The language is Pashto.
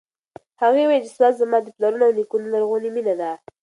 هغې وویل چې سوات زما د پلرونو او نیکونو لرغونې مېنه ده.